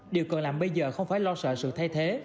điều cần làm bây giờ không phải lo sợ sự thay thế